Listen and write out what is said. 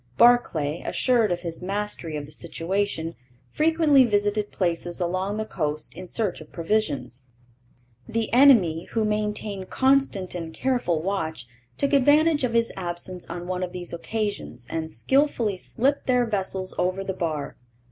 Barclay, assured of his mastery of the situation, frequently visited places along the coast in search of provisions. The enemy, who maintained constant and careful watch, took advantage of his absence on one of these occasions and skilfully slipped their vessels over the bar.